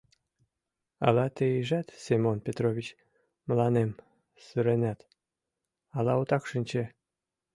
Ала тыйжат, Семон Петрович, мыланем сыренат, ала отак шинче?